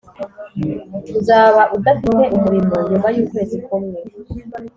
Uzaba udafite umurimo nyuma y’ukwezi kumwe